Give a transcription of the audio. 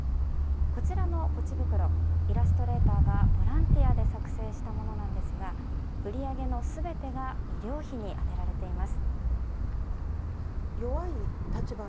こちらのポチ袋イラストレーターがボランティアで作製したものなんですが売り上げの全てが医療費に充てられています。